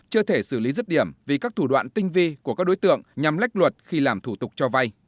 chưa thể xử lý rứt điểm vì các thủ đoạn tinh vi của các đối tượng nhằm lách luật khi làm thủ tục cho vay